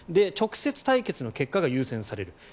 直接対決の結果が優先される。